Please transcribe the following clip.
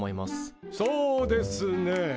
そうですね。